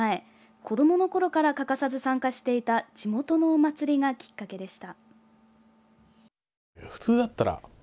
子どものころから欠かさず参加していた地元のお祭りがきっかけでした。